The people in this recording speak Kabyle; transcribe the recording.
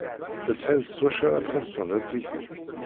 Tesɛiḍ s wacu ara txelseḍ atiki?